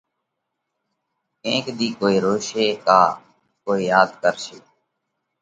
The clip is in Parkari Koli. ڪينڪ ۮِي ڪوئي روشي ڪا ڪوئي ياڌ ڪرشي